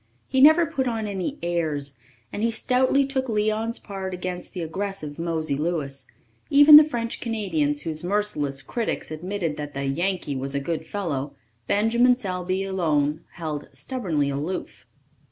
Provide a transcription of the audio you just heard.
He never put on any "airs," and he stoutly took Leon's part against the aggressive Mosey Louis. Even the French Canadians, those merciless critics, admitted that the "Yankee" was a good fellow. Benjamin Selby alone held stubbornly aloof.